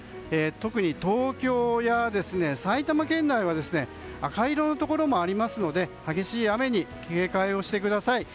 特に東京や埼玉県内は赤色のところもありますので激しい雨に警戒をしてください。